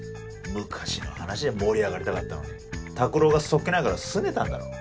昔の話で盛り上がりたかったのに拓郎が素っ気ないから拗ねたんだろ。